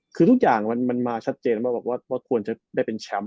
คือทุกอย่างมันมาชัดเจนว่าควรจะได้เป็นแชมป์